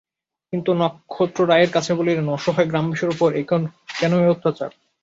তিনি নক্ষত্ররায়ের কাছে বলিলেন, অসহায় গ্রামবাসীদের উপরে কেন এ অত্যাচার!